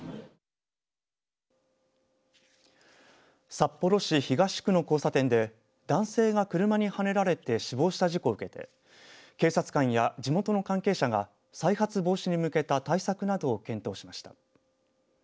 札幌市東区の交差点で男性が車にはねられて死亡した事故を受けて警察官や地元の関係者が再発防止に向けた対策などを検討しました。